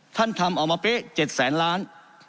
ท่านทำเอามาเป๊ะ๗แสนล้าน